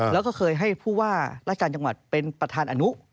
แล้วก็เคยให้ผู้ว่าราชการจังหวัดเป็นประธานอนุ